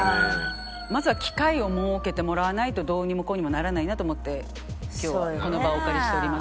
まずは機会を設けてもらわないとどうにもこうにもならないなと思って今日はこの場をお借りしております。